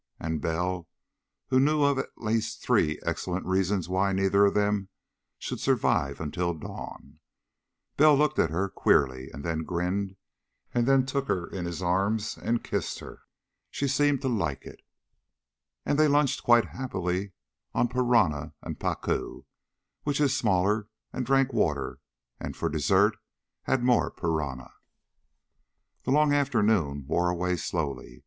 And Bell, who knew of at least three excellent reasons why neither of them should survive until dawn Bell looked at her queerly, and then grinned, and then took her in his arms and kissed her. She seemed to like it. And they lunched quite happily on piranha and pacu which is smaller and drank water, and for dessert had more piranha. The long afternoon wore away slowly.